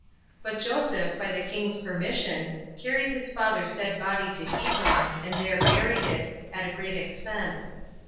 But Joseph, by the king's permission, carried his father's dead body to Hebron, and there buried it, at a great expense.